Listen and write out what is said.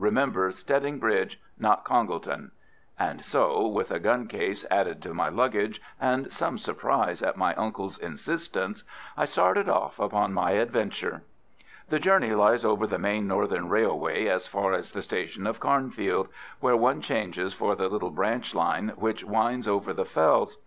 Remember Stedding Bridge, not Congleton." And so, with a gun case added to my luggage and some surprise at my uncle's insistence, I started off upon my adventure. The journey lies over the main Northern Railway as far as the station of Carnfield, where one changes for the little branch line which winds over the fells.